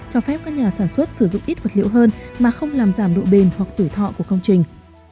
cho phép các nhà sản xuất sử dụng ít vật liệu hơn mà không làm giảm độ bền hoặc tủy thọ của công trình